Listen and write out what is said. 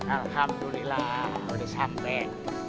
alhamdulillah udah sampai